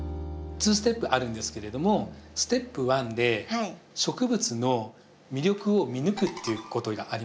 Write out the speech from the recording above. ２ステップあるんですけれどもステップ１で植物の魅力を見抜くっていうことがあります。